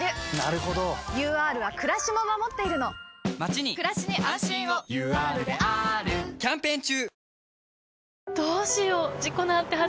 ＵＲはくらしも守っているのまちにくらしに安心をＵＲであーるキャンペーン中！